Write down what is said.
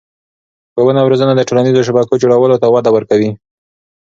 ښوونه او روزنه د ټولنیزو شبکو جوړولو ته وده ورکوي.